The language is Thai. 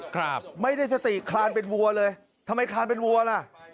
ครับไม่ได้สติคลานเป็นวัวเลยทำไมคลานเป็นวัวล่ะ